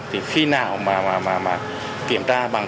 thì khi nào mà kiểm tra bằng